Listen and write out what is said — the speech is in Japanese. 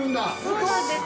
◆そうなんです。